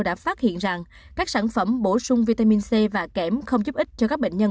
đã phát hiện rằng các sản phẩm bổ sung vitamin c và kém không giúp ích cho các bệnh nhân